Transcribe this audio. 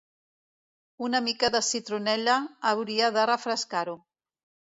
Una mica de citronella hauria de refrescar-ho.